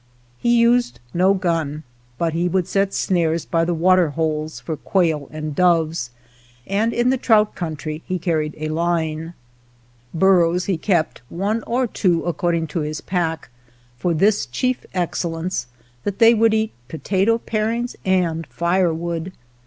He used no gun, but he would set snares by the water holes for quail and doves, and in the trout country he carried a line. Burros he kept, one or two according to his pack, for this chief excellence, that they would eat potato parings and firewood.